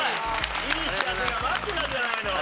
いい知らせが待ってたじゃないの！